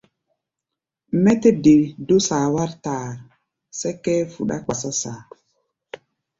Mí tɛ́ de dó saa wár taar, sɛ́ká ɛ́ɛ́ fuɗá kpasá saa.